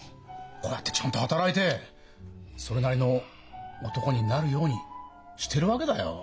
こうやってちゃんと働いてそれなりの男になるようにしてるわけだよ。